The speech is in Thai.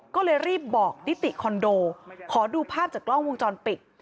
ก็เลยรีบบอกนิติคอนโดขอดูภาพจากกล้องวงจรปิด